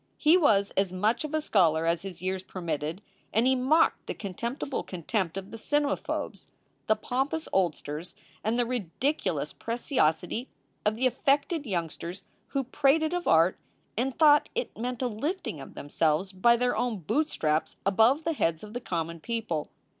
He was as much of a scholar as his years permitted, and he mocked the contemptible contempt of the cmemaphobes, the pompous oldsters, and the ridic ulous preciosity of the affected youngsters who prated of art and thought it meant a lifting of themselves by their own boot straps above the heads of the common people.